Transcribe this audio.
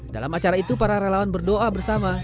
dalam acara itu para relawan berdoa bersama